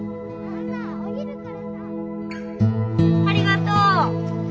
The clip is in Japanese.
ありがとう。